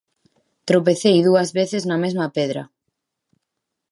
Tropecei dúas veces na mesma pedra.